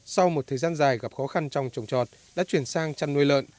sau một thời gian dài gặp khó khăn trong trồng trọt đã chuyển sang chăn nuôi lợn